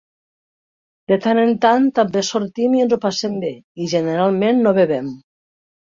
De tant en tant, també sortim i ens ho passem bé i generalment no bevem.